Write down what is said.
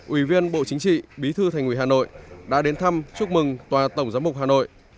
ủy viên bộ chính trị bí thư thành ủy hà nội đã đến thăm chúc mừng tòa tổng giám mục hà nội